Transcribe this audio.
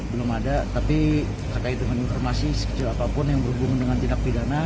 belum ada tapi kakak itu menginformasi sekecil apapun yang berhubung dengan tindak pidana